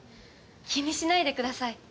気にしないでください。